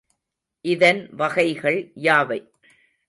இதன் வகைகள் யாவை?